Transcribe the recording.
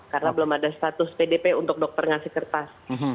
karena belum ada status pdp untuk dokter ngasih kertas